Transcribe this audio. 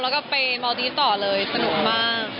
แล้วก็ไปเมาดีสต่อเลยสนุกมาก